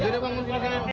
tidak ada bangunan di sana